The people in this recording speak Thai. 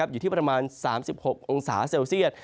อยู่ที่ประมาณ๓๖องศาเซลเซียต